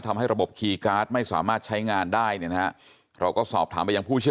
ใช่ครับเป็นคีย์การ์ดคือพังไม่ได้ครับผม